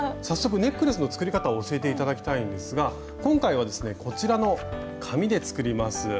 早速ネックレスの作り方を教えて頂きたいんですが今回はですねこちらの紙で作ります。